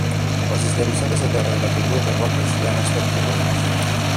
Les esllavissades de terra i la caiguda de roques hi han estat corrents.